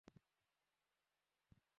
আজ সেটা নিজ চোখে দেখছি।